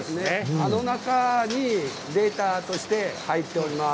あの中にデータとして入っています。